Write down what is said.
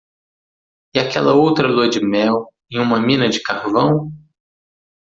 E aquela outra lua de mel em uma mina de carvão!